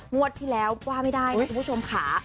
งวดที่แล้วว่าไม่ได้นะคุณผู้ชมค่ะ